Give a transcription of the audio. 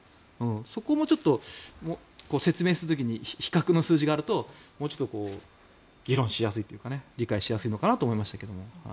そこも説明する時に比較の数字があるともうちょっと議論しやすいというか理解しやすいのかと思いましたけど。